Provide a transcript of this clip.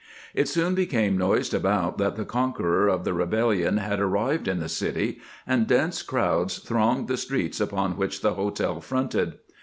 It soon be came noised about that the conqueror of the rebellion had arrived in the city, and dense crowds thronged the streets upon which the hotel fronted.